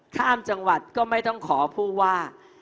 ข้ามจังหวัดก็ไม่ต้องขอผู้ว่า